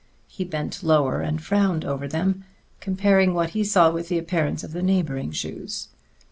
He bent lower and frowned over them, comparing what he saw with the appearance of the neighboring shoes.